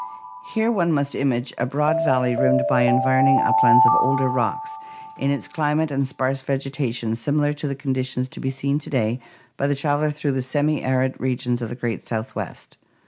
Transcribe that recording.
Here one must image a broad valley rimmed by environ ing uplands of older rocks, in its climate and sparse vegetation similar to the conditions to be seen to day by the traveler through the semiarid regions of the great Southwest.